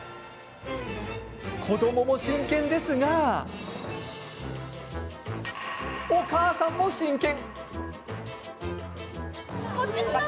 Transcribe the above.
子どもも真剣ですがお母さんも、真剣。